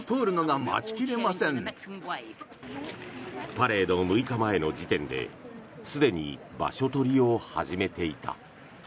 パレード６日前の時点ですでに場所取りを始めていた。